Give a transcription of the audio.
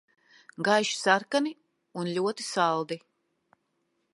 Gaiši sarkani un ļoti saldi.